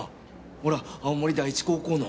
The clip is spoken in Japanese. ほら青森第一高校の。